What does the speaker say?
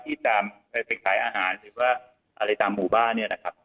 ที่จะไปขายอาหารหรือว่าอะไรตามหมู่บ้านเนี่ยนะครับ